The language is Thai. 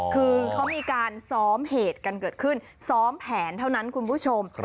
คือเขามีการซ้อมเหตุกันเกิดขึ้นซ้อมแผนเท่านั้นคุณผู้ชม